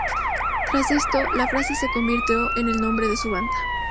Tras esto, la frase se convirtió en el nombre de su banda.